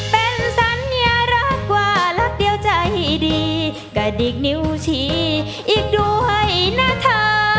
เป็นสัญญารักกว่ารักเดียวใจดีกระดิกนิ้วชีอีกด้วยนะเธอ